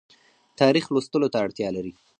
تاریخ لوستلو ته اړتیا لري